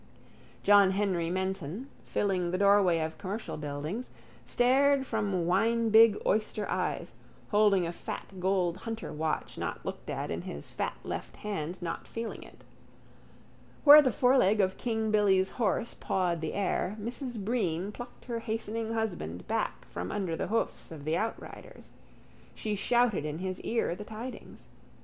John Henry Menton, filling the doorway of Commercial Buildings, stared from winebig oyster eyes, holding a fat gold hunter watch not looked at in his fat left hand not feeling it. Where the foreleg of King Billy's horse pawed the air Mrs Breen plucked her hastening husband back from under the hoofs of the outriders. She shouted in his ear the tidings.